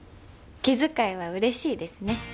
気遣いはうれしいですね。